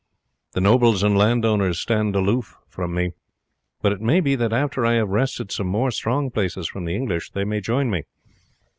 The nobles and landowners stand aloof from me; but it may be that after I have wrested some more strong places from the English, they may join me.